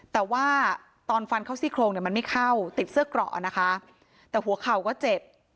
แต่ว่าตอนฟันเข้าซี่โครงเนี่ยมันไม่เข้าติดเสื้อเกราะนะคะแต่หัวเข่าก็เจ็บ